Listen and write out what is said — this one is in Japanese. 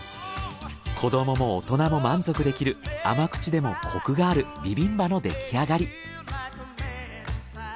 子どもも大人も満足できる甘口でもコクがあるビビンバのできあがり。